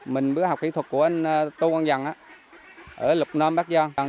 mình bữa học kỹ thuật của anh tô quang văn ở lục non bắc giang